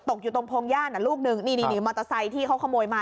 อยู่ตรงพงย่านลูกหนึ่งนี่มอเตอร์ไซค์ที่เขาขโมยมา